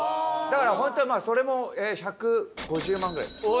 だからホントにそれも１５０万ぐらいです。